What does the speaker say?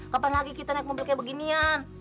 kapan lagi kita naik mobil kayak beginian